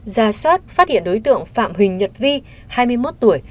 ra soát phát hiện đối tượng phạm huỳnh nhật vi hai mươi một tuổi